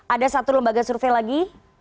ada satu lembaga survei lagi